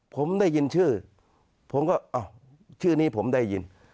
ผมได้ยินชื่อชื่อนี้ผมได้ยิน